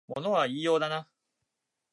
物は言いようだな